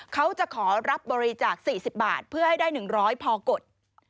เขาจะขอรับบริจาค๔๐บาทเพื่อให้ได้๑๐๐พอกด